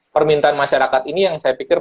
permintaan masyarakat ini yang saya pikir